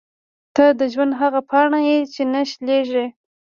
• ته د ژوند هغه پاڼه یې چې نه شلېږي.